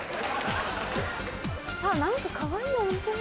あっ何かかわいいお店！